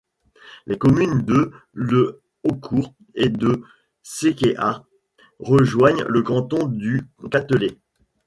Les communes de Le Haucourt et de Sequehart rejoignent le canton du Catelet.